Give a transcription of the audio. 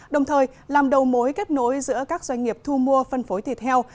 đồng thời làm đầu mối kết nối giữa các doanh nghiệp thu mua phân phối thịt heo